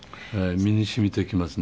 身にしみてきますね。